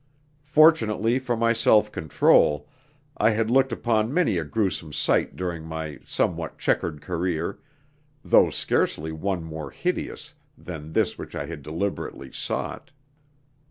Fortunately for my self control, I had looked upon many a gruesome sight during my somewhat chequered career, though scarcely one more hideous than this which I had deliberately sought.